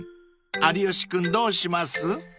有吉君どうします？］